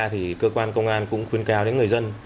thì cơ quan công an cũng khuyên cao đến người dân